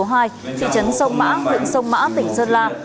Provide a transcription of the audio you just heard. thị trấn sông mã huyện sông mã tỉnh sơn la